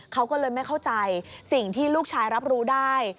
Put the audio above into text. เขาก็เลยไม่เข้าใจสิ่งที่ลูกชายรับรู้ได้